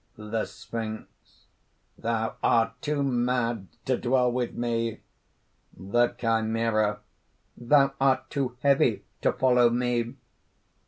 THE SPHINX. "Thou art too mad to dwell with me!" THE CHIMERA. "Thou art too heavy to follow me!"